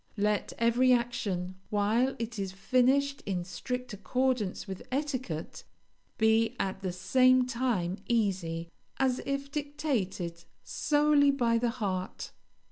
Let every action, while it is finished in strict accordance with etiquette, be, at the same time, easy, as if dictated solely by the heart.